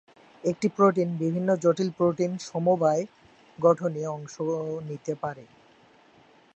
একটি প্রোটিন বিভিন্ন জটিল প্রোটিন-সমবায় গঠনে অংশ নিতে পারে।